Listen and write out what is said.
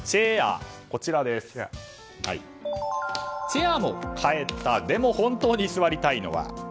チェアも変えたでも本当に座りたいのは。